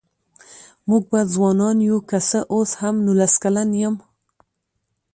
مونږ به ځوانان يوو که څه اوس هم نوولس کلن يم